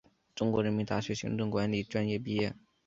中国人民大学行政管理专业毕业。